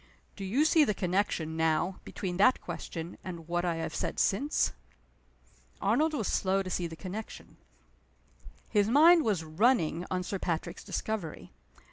Do you see the connection, now, between that question, and what I have said since?" Arnold was slow to see the connection. His mind was running on Sir Patrick's discovery.